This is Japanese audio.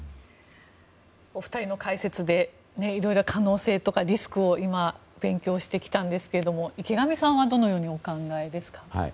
お二人の解説でいろいろ可能性とかリスクを今勉強してきたんですが池上さんはどのようにお考えですか。